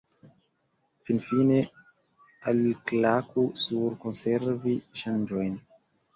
Finfine, alklaku sur Konservi ŝanĝojn.